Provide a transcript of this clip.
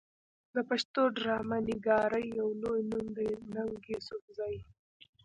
د پښتو ډرامه نګارۍ يو لوئې نوم دی ننګ يوسفزۍ